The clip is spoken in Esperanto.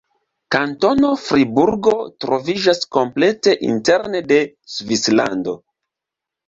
Kantono Friburgo troviĝas komplete interne de Svislando.